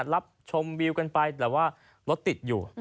รับชมวิวกันไปแต่ว่ารถติดอยู่